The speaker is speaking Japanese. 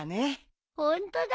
ホントだ。